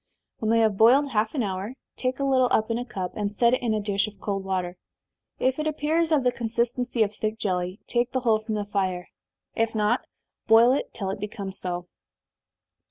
When they have boiled half an hour, take a little up in a cup, and set it in a dish of cold water if it appears of the consistency of thick jelly, take the whole from the fire if not, boil it till it becomes so.